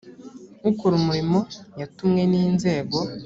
ukora umurimo yatumwe n inzego